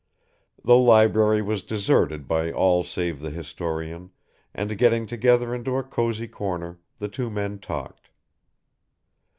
The library was deserted by all save the historian, and getting together into a cosy corner, the two men talked.